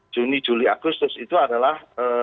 juni juli agustus itu adalah